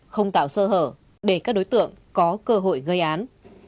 không tạo sơ hở để các đối tượng có cơ hội gây án